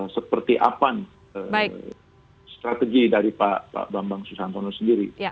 seperti apa strategi dari pak bambang susantono sendiri